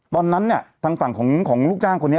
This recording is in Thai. ตอนนั้นเนี่ยทางฝั่งของลูกจ้างคนนี้